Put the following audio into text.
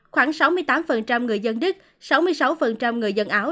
khoảng sáu mươi tám người dân đức sáu mươi sáu người dân áo